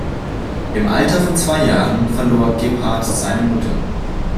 Im Alter von zwei Jahren verlor Gebhardt seine Mutter.